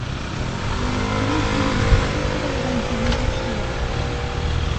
مهمترین کاری که باید انجام بدی چیه؟